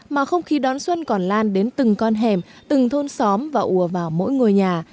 mà không khí đón xuân còn lan đến từng con hẻm từng thôn xóm và ùa vào mỗi ngôi nhà